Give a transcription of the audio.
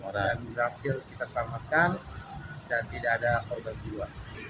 dan berhasil kita selamatkan dan tidak ada korban keluar